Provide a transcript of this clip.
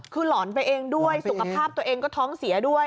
คือหลอนไปเองด้วยสุขภาพตัวเองก็ท้องเสียด้วย